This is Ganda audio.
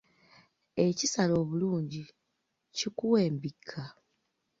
Ekisala obulungi, kikuwa embikka.